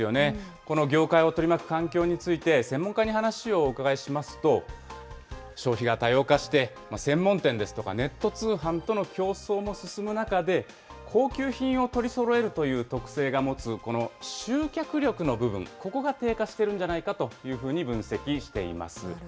この業界を取り巻く環境について、専門家に話をお伺いしますと、消費が多様化して専門店ですとか、ネット通販との競争も進む中で、高級品を取りそろえるという特性が持つ、集客力の部分、ここが低下しているんじゃないかというふうに分析しています。